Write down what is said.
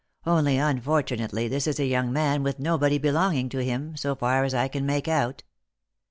Only, unfortunately, this is a young man with nobody belonging to him, so far as I can make out."